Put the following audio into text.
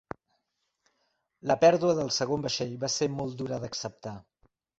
La pèrdua del segon vaixell va ser molt dura d'acceptar.